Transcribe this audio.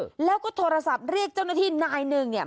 แล้วก็โทรศัพท์เรียกเจ้าหน้าที่นายหนึ่งเนี่ย